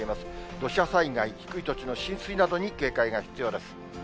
土砂災害、低い土地の浸水などに警戒が必要です。